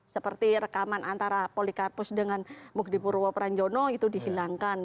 seperti rekaman antara polikarpus dengan mukdipurwo pranjono itu dihilangkan